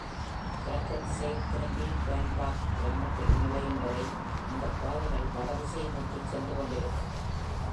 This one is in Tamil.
கிழக்கு திசையில் திரும்பி கிரான்ட் பார்க் கிராமத்தினுள் நுழையும் வரை இந்தப் பாதைகள் வடதிசை நோக்கிச் சென்றுக் கொண்டிருக்கும்.